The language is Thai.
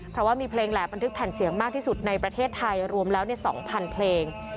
เพราะว่ามีเพลงแหลบบันทึกแผ่นเสียงมากที่สุดในประเทศไทยรวมแล้ว๒๐๐เพลง